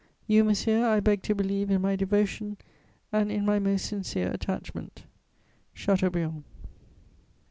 You, monsieur, I beg to believe in my devotion and in my most sincere attachment. "CHATEAUBRIAND."